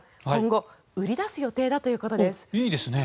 今後、売り出す予定だということです。